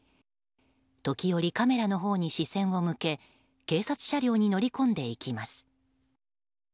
時折、カメラのほうに視線を向け警察車両に乗り込んでいきます。